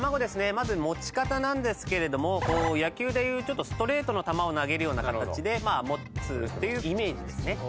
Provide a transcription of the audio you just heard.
まず持ち方なんですけれども野球でいうちょっとストレートの球を投げるような形で持つというイメージですね。